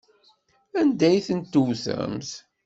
Anda ay tent-tewtemt?